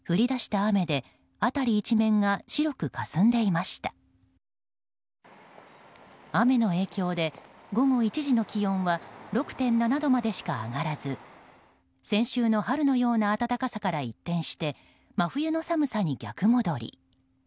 雨の影響で、午後１時の気温は６．７度までしか上がらず先週の春のような暖かさから一転して真冬の寒さに逆戻り。